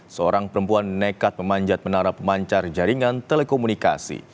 seorang perempuan nekat memanjat menara pemancar jaringan telekomunikasi